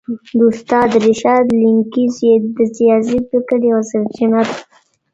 د استاد رشاد ليکنې د سياسي فکر يوه سرچينه ده.